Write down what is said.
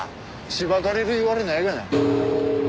しばかれるいわれないがな。